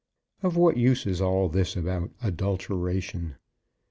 Of what use is all this about adulteration?